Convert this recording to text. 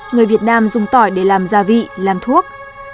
người việt nam dùng tỏi để làm gia vị làm thuốc